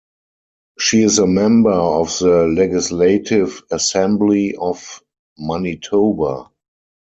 She is a member of the Legislative Assembly of Manitoba.